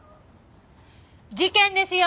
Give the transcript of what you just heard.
事件ですよ！